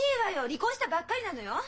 離婚したばっかりなのよ！？